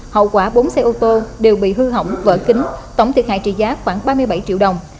hậu quả bốn xe ô tô đều bị hư hỏng vỡ kính tổng thiệt hại trị giá khoảng ba mươi bảy triệu đồng